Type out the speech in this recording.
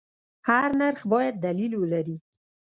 هر نرخ باید دلیل ولري.